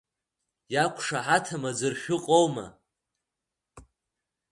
Иақәшаҳаҭым аӡәыр шәыҟоума?